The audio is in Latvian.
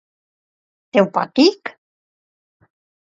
Tev patīk.